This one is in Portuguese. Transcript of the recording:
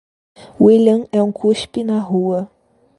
William é um cuspe na rua.